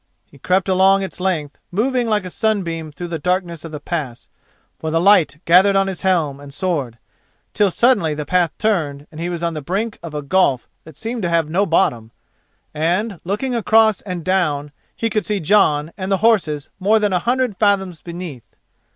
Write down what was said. He crept along its length, moving like a sunbeam through the darkness of the pass, for the light gathered on his helm and sword, till suddenly the path turned and he was on the brink of a gulf that seemed to have no bottom, and, looking across and down, he could see Jon and the horses more than a hundred fathoms beneath.